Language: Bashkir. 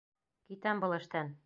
Китәм был эштән!